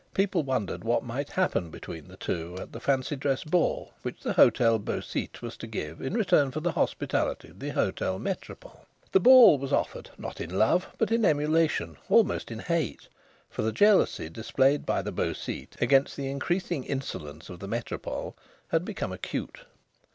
People wondered what might happen between the two at the fancy dress ball which the Hôtel Beau Site was to give in return for the hospitality of the Hôtel Métropole. The ball was offered not in love, but in emulation, almost in hate; for the jealousy displayed by the Beau Site against the increasing insolence of the Métropole had become acute.